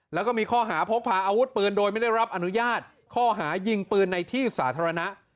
แล้วก็มีข้อหาพกพาอาวุธปืนโดยไม่ได้รับอนุญาตข้อหายิงปืนในที่สาธารณะ